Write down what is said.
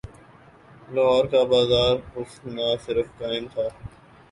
لاہور کا بازار حسن نہ صرف قائم تھا۔